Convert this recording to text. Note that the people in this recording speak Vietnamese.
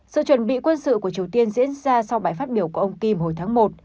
sự chuẩn bị quân sự của triều tiên diễn ra sau bài phát biểu của ông kim hồi tháng một